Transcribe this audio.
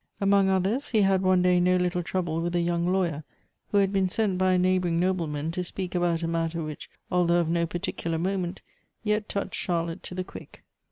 Among others, he had one day no little trouble with a young lawyer, who had been sent by a neighboring noble man to speak about a matter which, although of no par ticular moment, yet touched Charlotte to the quick.